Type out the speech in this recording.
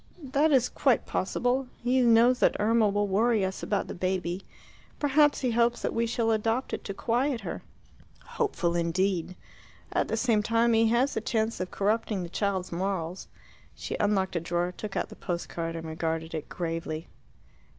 "That is quite possible. He knows that Irma will worry us about the baby. Perhaps he hopes that we shall adopt it to quiet her." "Hopeful indeed." "At the same time he has the chance of corrupting the child's morals." She unlocked a drawer, took out the post card, and regarded it gravely.